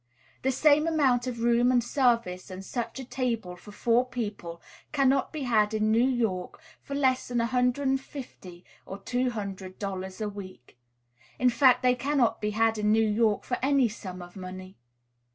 The same amount of room, and service, and such a table, for four people, cannot be had in New York for less than $150 or $200 a week; in fact, they cannot be had in New York for any sum of money.